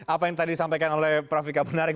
apa yang tadi disampaikan oleh prof vika menarik